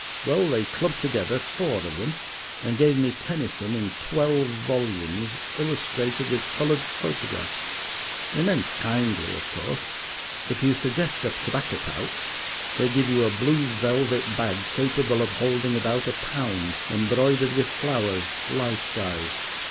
Well, they clubbed together, four of them, and gave me Tennyson in twelve volumes, illustrated with coloured photographs. They meant kindly, of course. If you suggest a tobacco pouch they give you a blue velvet bag capable of holding about a pound, embroidered with flowers, life size.